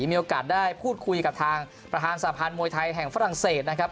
มีโอกาสได้พูดคุยกับทางประธานสะพานมวยไทยแห่งฝรั่งเศสนะครับ